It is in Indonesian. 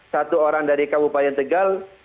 satu orang dari kabupaten tegal